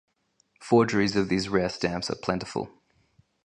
Forgeries of these rare stamps are plentiful.